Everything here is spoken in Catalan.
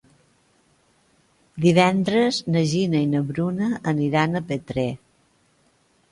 Divendres na Gina i na Bruna aniran a Petrer.